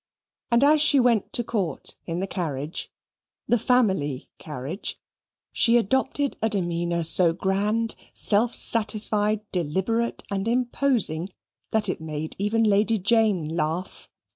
And as she went to Court in the carriage, the family carriage, she adopted a demeanour so grand, self satisfied, deliberate, and imposing that it made even Lady Jane laugh.